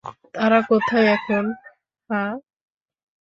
তারা কোথায় এখন, হাহ?